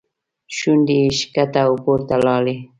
شونډې یې ښکته او پورته لاړې.